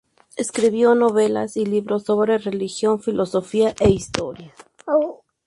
Escribió novelas y libros sobre religión, filosofía e historia.